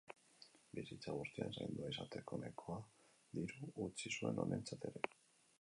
Bizitza guztian zaindua izateko nahikoa diru utzi zuen honentzat ere.